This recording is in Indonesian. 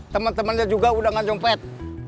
temen temennya juga udah gak nyopet